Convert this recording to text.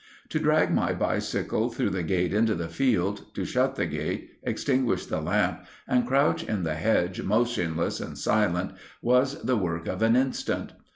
To drag my bicycle through the gate into the field, to shut the gate, extinguish the lamp, and crouch in the hedge motionless and silent, was the work of an instant.